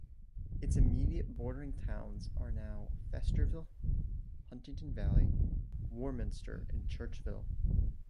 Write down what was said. Its immediate bordering towns are now Feasterville, Huntingdon Valley, Warminster, and Churchville.